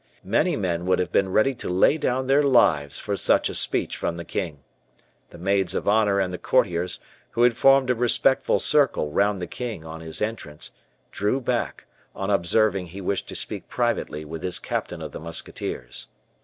Many men would have been ready to lay down their lives for such a speech from the king. The maids of honor and the courtiers, who had formed a respectful circle round the king on his entrance, drew back, on observing he wished to speak privately with his captain of the musketeers.